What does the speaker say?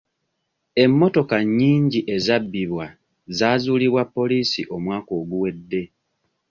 Emmotoka nnyingi ezabbibwa zaazuulibwa poliisi omwaka oguwedde.